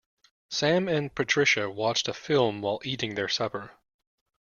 Sam and Patricia watched a film while eating their supper.